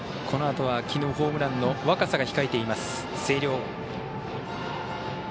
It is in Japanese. このあとはきのうホームランの若狭が控えています、星稜。